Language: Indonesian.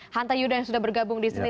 hanta yuda yang sudah bergabung di sini